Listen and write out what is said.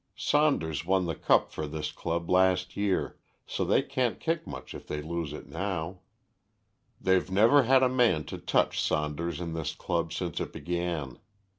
Saunders won the cup for this club last year, so they can't kick much if they lose it now. They've never had a man to touch Saunders in this club since it began.